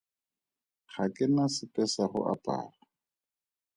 Ga ke na sepe sa go apara.